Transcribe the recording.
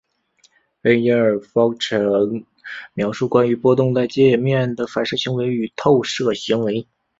菲涅耳方程描述关于波动在界面的反射行为与透射行为。